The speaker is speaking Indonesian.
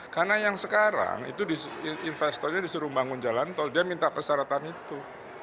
karena yang sekarang investornya disuruh membangun jalan tol dia minta persyaratan itu